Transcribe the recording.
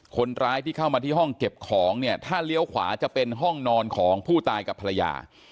คนร้ายที่เข้ามาที่ห้องเก็บของเนี่ยถ้าเลี้ยวขวาจะเป็นห้องนอนของผู้ตายกับภรรยา